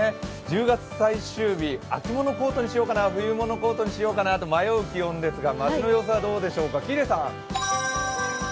１０月最終日、秋物コートにしようかな、冬物コートにしようかなと迷う気温ですが街の様子はどうでしょうか、喜入さん。